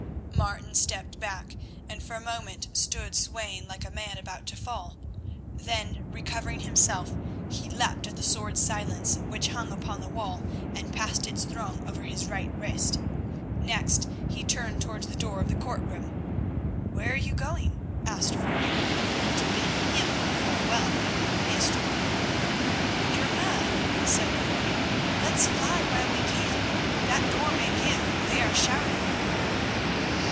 Martin stepped back, and for a moment stood swaying like a man about to fall. Then, recovering himself, he leapt at the sword Silence which hung upon the wall and passed its thong over his right wrist. Next he turned towards the door of the court room. "Where are you going?" asked Foy. "To bid him farewell," hissed Martin. "You're mad," said Foy; "let's fly while we can. That door may give—they are shouting."